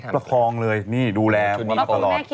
ประคองเลยนี่ดูแลคุณมาตลอด